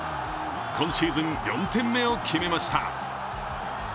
今シーズン、４点目を決めました。